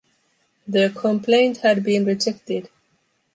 The complaint had been rejected.